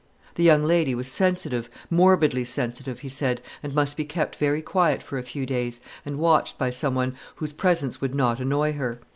The young lady was sensitive, morbidly sensitive, he said, and must be kept very quiet for a few days, and watched by some one whose presence would not annoy her.